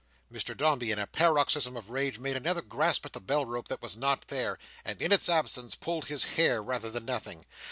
Mr Dombey, in a paroxysm of rage, made another grasp at the bell rope that was not there, and, in its absence, pulled his hair rather than nothing.